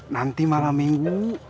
nanti malam minggu